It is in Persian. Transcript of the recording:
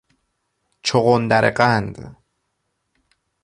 چغندر قند